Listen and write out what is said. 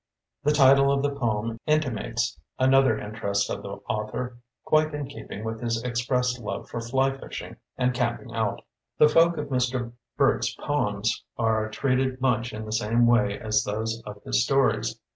The title of the poem inti mates another interest of the author, quite in keeping with his expressed love for fly fishing and camping out. The folk of Mr. Burt's poems are treated much in the same way as those of his stories.